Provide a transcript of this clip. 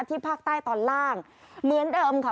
ภาคใต้ตอนล่างเหมือนเดิมค่ะ